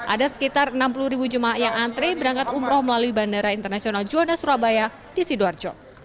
ada sekitar enam puluh jemaah yang antre berangkat umroh melalui bandara internasional juanda surabaya di sidoarjo